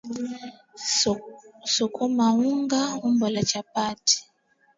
sukuma unga umbo la chapati